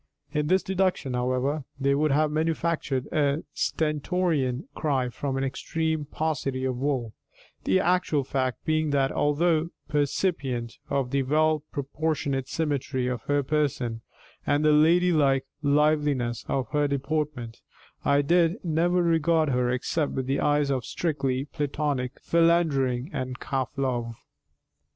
In this deduction, however, they would have manufactured a stentorian cry from an extreme paucity of wool; the actual fact being that, although percipient of the well proportionate symmetry of her person and the ladylike liveliness of her deportment, I did never regard her except with eyes of strictly platonic philandering and calf love.